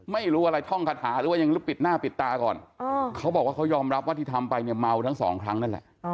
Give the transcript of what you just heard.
ไม่รู้อะไรท่องคาถาหรือว่ายังปิดหน้าปิดตาก่อนเขาบอกว่าเขายอมรับว่าที่ทำไปเนี่ยเมาทั้งสองครั้งนั่นแหละ